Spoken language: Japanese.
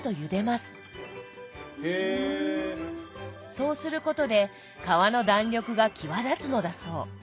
そうすることで皮の弾力が際立つのだそう。